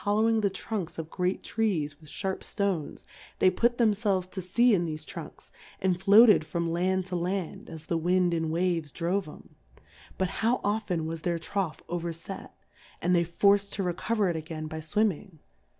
5 5 lowing the Trunks of great Trees with fliarp Stones, they put themfelves to Sea in thefe Trunks, and floated from Land to Land, as the Wind and Waves drove 'em ; but how often was their Trough overfet, and they forc'd to re cover it again by fwiming